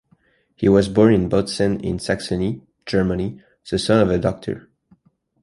He was born in Bautzen in Saxony, Germany, the son of a doctor.